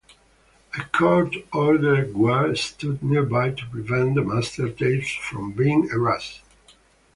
A court-ordered guard stood nearby to prevent the master tapes from being erased.